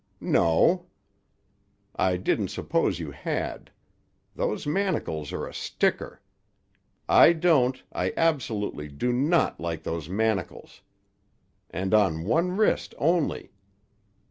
"No." "I didn't suppose you had. Those manacles are a sticker. I don't—I absolutely do not like those manacles. And on one wrist only!